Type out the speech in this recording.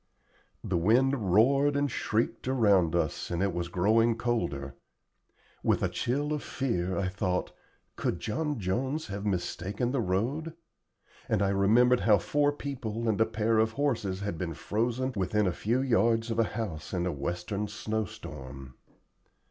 The wind roared and shrieked around us, and it was growing colder. With a chill of fear I thought, "Could John Jones have mistaken the road?" and I remembered how four people and a pair of horses had been frozen within a few yards of a house in a Western snow storm.